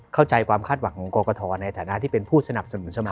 เข้าใจความคาดหวังของกรกฐในฐานะที่เป็นผู้สนับสนุนเสมอ